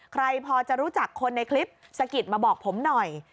ใครพอจะรู้จักคนในคลิปสะกิดมาบอกผมหน่อย